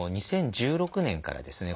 ２０１６年からですね